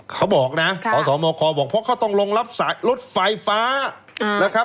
เขาบอกนะอสมครบอกว่าเขาต้องรองรับรถไฟฟ้า